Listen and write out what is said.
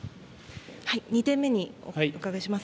２点目にお伺いします。